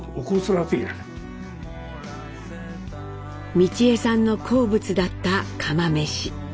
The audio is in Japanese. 美智榮さんの好物だった釜めし。